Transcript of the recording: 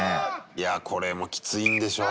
いやこれもきついんでしょう？